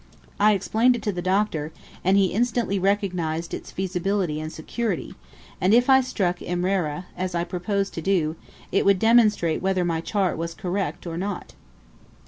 I explained it to the Doctor, and he instantly recognised its feasibility and security; and if I struck Imrera, as I proposed to do, it would demonstrate whether my chart was correct or not.